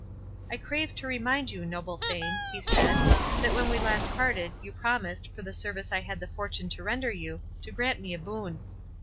"I crave to remind you, noble Thane," he said, "that when we last parted, you promised, for the service I had the fortune to render you, to grant me a boon."